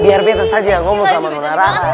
biar betul saja ngomong sama nona rara